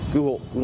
cứu hộ cứu nạn